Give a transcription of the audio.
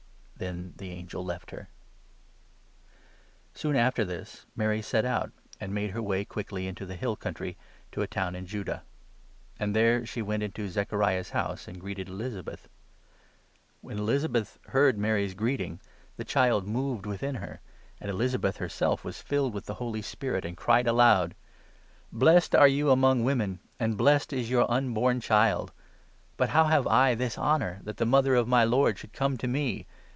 . Then the angel left her. Mary's visit Soon after this Mary set out, and made her 39 to Elizabeth, way quickly into the hill country, to a town in Judah ; and there she went into Zechariah's house and greeted 40 Elizabeth. When Elizabeth heard Mary's greeting, the child 41 moved within her, and Elizabeth herself was filled with the Holy Spirit, and cried aloud : 42 " Blessed are you among women, and blessed is your unborn child ! But how have I this honour, that the mother of my 43 Lord should come to me